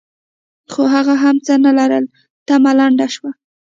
خو هغه هم څه نه لرل؛ تمه لنډه شوه.